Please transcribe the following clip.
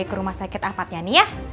ke rumah sakit apatnya nih ya